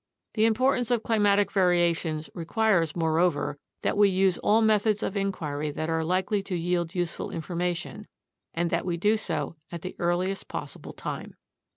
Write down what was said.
The importance of climatic variations requires, moreover, that we use all methods of inquiry that are likely to yield useful information, and that we do so at the earliest possible time.